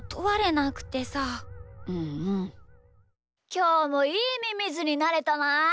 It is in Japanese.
きょうもいいミミズになれたな。